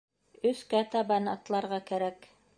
Өҫкә табан атларға кәрәк